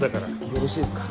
よろしいですか？